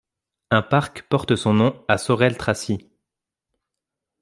Un parc porte son nom à Sorel-Tracy.